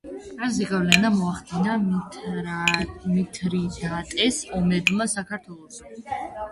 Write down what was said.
რა ზეგავლენა მოახდინა მითრიდატეს ომებმა საქართველოზე?